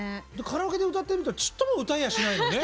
カラオケで歌ってるとちっとも歌えやしないのね。